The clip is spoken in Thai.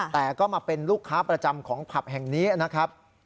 แต่ก็มาเป็นลูกค้าประจำของผับแห่งนี้นะครับ